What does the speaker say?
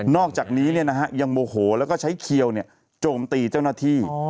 อกจากนี้ยังโมโหแล้วก็ใช้เขียวโจมตีเจ้าหน้าที่